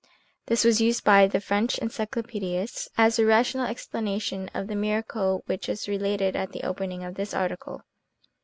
This was used by the French encyclopaedists as a rationalistic explanation of the miracle which is related at the opening of this article.